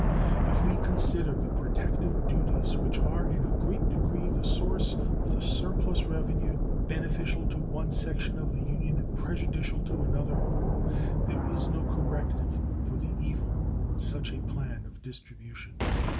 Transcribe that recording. If we consider the protective duties, which are in a great degree the source of the surplus revenue, beneficial to one section of the Union and prejudicial to another, there is no corrective for the evil in such a plan of distribution.